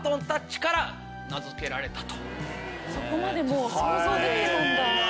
そこまでもう想像できてたんだ。